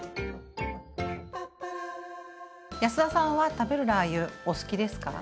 安田さんは食べるラー油お好きですか？